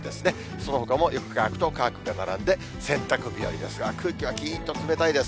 そのほかもよく乾くと乾くが並んで、洗濯日和ですが、空気はきーんと冷たいです。